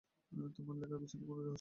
তোমার লেখার পিছনে কোন রহস্য আছে।